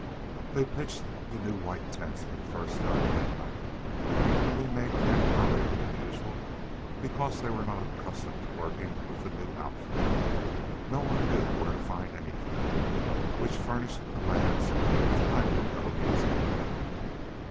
They pitched the new white tents for the first time that night, having made camp earlier than usual because they were not accustomed to working with the new outfit. No one knew where to find anything, which furnished the lads with plenty of amusement.